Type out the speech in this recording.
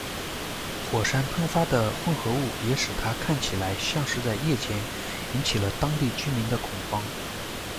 火山喷发的混合物也使它看起来像是在夜间，引起了当地居民的恐慌。